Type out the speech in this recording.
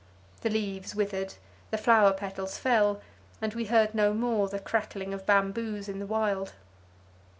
The leaves withered, the flower petals fell and we heard no more the crackling of bamboos in the wind.